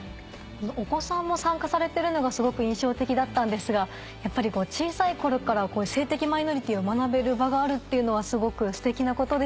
お子さんも参加されてるのがすごく印象的だったんですがやっぱり小さい頃からこういう性的マイノリティーを学べる場があるっていうのはすごくステキなことですよね。